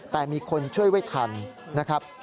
แต่มีคนช่วยไว้ทันนะครับ